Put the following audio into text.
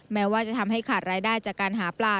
แม้ว่าจะทำให้ขาดรายได้จากการหาปลา